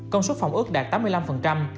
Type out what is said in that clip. công suất phòng ước đạt tám mươi năm